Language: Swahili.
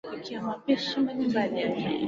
rwanda na kenya wana daraja za aina hiyo